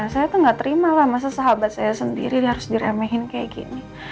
saya tuh gak terima lah masa sahabat saya sendiri harus diremahin kayak gini